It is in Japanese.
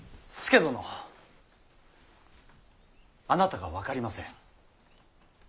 あなたが分かりません。